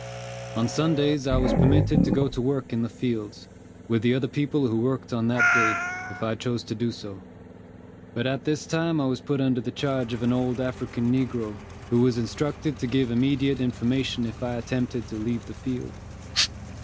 On Sundays I was permitted to go to work in the fields, with the other people who worked on that day, if I chose so to do; but at this time I was put under the charge of an old African negro, who was instructed to give immediate information if I attempted to leave the field.